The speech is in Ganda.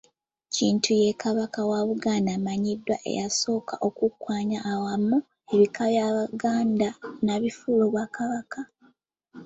Kintu ye Kabaka wa Buganda amanyiddwa eyasooka okukwanya awamu ebika by'Abaganda n'abifuula obwakabaka.